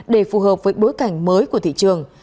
để phù hợp với bối cảnh mới của thị trường